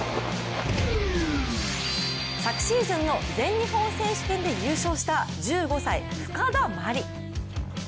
昨シーズンの全日本選手権で優勝した１５歳、深田茉莉。